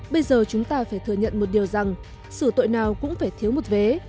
bây giờ chúng ta phải thừa nhận một điều rằng xử tội nào cũng phải thiếu một vế